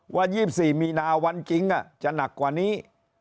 ว่า๒๔มีนาวันจริงจะหนักกว่านี้